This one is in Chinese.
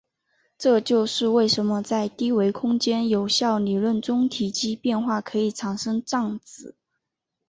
这就是为什么在低维空间有效理论中体积变化可以产生胀子。